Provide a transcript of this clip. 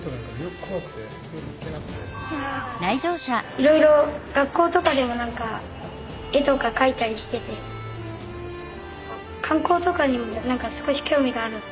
いろいろ学校とかでも絵とか描いたりしてて観光とかにも少し興味がある。